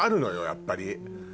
やっぱり。